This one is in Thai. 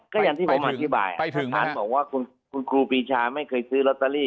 ก็อย่างที่ผมอธิบายไปถึงท่านบอกว่าคุณครูปีชาไม่เคยซื้อลอตเตอรี่